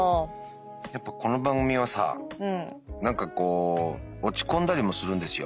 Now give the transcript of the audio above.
やっぱこの番組はさ何かこう落ち込んだりもするんですよ。